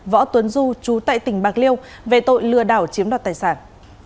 võ tuấn du chú tại tỉnh bạc liêu về tội lừa đảo chiếm đoạt tài sản